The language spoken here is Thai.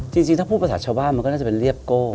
จริงถ้าพูดภาษาชาวบ้านมันก็น่าจะเป็นเรียบโก้